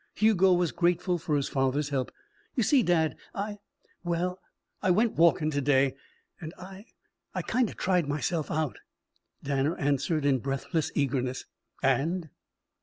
Hugo was grateful for his father's help. "You see, dad, I well I went walkin' to day and I I kind of tried myself out." Danner answered in breathless eagerness: "And?"